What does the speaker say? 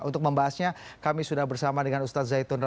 untuk membahasnya kami sudah bersama dengan ketua umum p tiga romor muzi